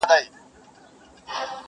o غوړ پر غوړ توئېږي، نه پر تورو خاورو!